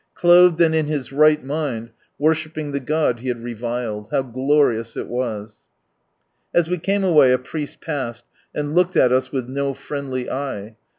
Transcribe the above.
Clothed and in his right mind, worshipping the God he had reviled. How glorious it was 1 As we came away, a priest passed, and looked at us with no friendly eye.